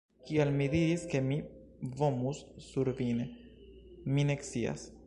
Kial mi diris, ke mi vomus sur vin... mi ne scias